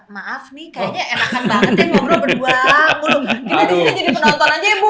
maaf nih kayaknya enakan banget ya ngobrol berdua